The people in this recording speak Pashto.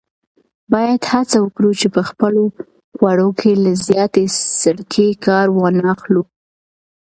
باید هڅه وکړو چې په خپلو خوړو کې له زیاتې سرکې کار وانخلو.